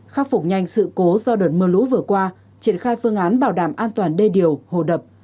khắc phục nhanh sự cố do đợt mưa lũ vừa qua triển khai phương án bảo đảm an toàn đê điều hồ đập